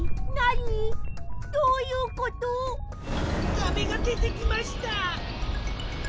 かべがでてきました。